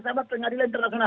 sama pengadilan internasional